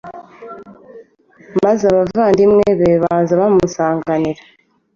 maze abavandimwe be baza bamusanganira